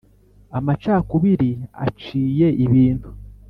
Amacakubiri aciye ibintu;